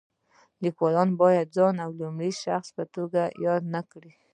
لیکوال باید ځان د لومړي شخص په توګه یاد نه کړي.